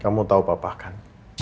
kamu tahu papa kan